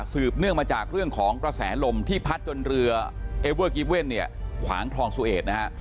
เนื่องมาจากเรื่องของกระแสลมที่พัดจนเรือเอเวอร์กิเว่นเนี่ยขวางคลองสุเอดนะฮะ